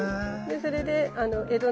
それで江戸の。